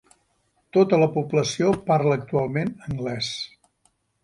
Tota la població parla actualment anglès.